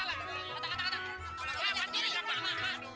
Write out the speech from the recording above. nyak bantuin dia pak